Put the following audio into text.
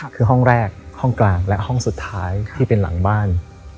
คือห้องแรกห้องกลางและห้องสุดท้ายที่เป็นหลังบ้าน